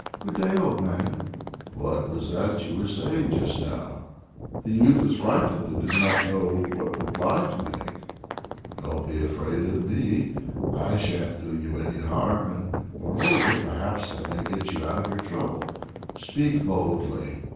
"Good day, old man!" "What was that you were saying just now?" The youth was frightened and did not know what reply to make. "Don't be afraid of me! I sha'n't do you any harm, and moreover, perhaps I may get you out of your trouble. Speak boldly!"